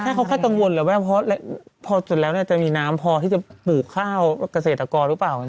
แต่แค่เขาตังวนแหละว่าพอจนแล้วจะมีน้ำพอที่จะปืบข้าวกเกษตรกรรึเปล่า